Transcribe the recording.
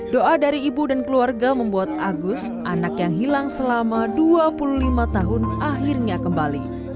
doa dari ibu dan keluarga membuat agus anak yang hilang selama dua puluh lima tahun akhirnya kembali